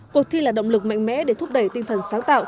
cuộc thi là động lực mạnh mẽ để thúc đẩy tinh thần sáng tạo